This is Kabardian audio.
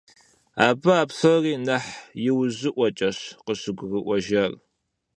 Абы а псори нэхъ иужьыӀуэкӀэщ къыщыгурыӀуэжар.